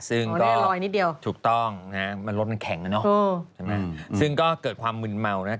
ซึ่งก็ถูกต้องนะครับรถมันแข็งแล้วเนอะใช่ไหมครับซึ่งก็เกิดความมืนเมานะครับ